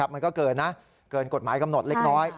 มันก็เกินนะเกินกฎหมายกำหนดเล็กน้อย